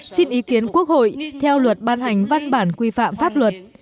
xin ý kiến quốc hội theo luật ban hành văn bản quy phạm pháp luật